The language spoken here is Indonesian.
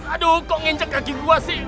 aduh kok ngencet kaki gua sih